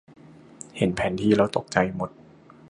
เห็นแผนที่แล้วตกใจหมด